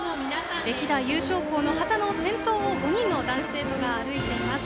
歴代優勝校の旗の先頭を５人の男子生徒が歩いています。